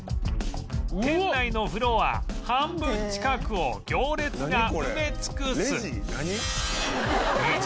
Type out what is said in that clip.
店内のフロア半分近くを行列が埋め尽くすうん？パン？